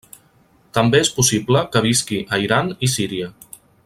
També és possible que visqui a Iran i Síria.